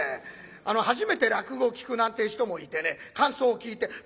あの初めて落語を聴くなんてえ人もいてね感想を聞いて